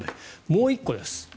もう１個です。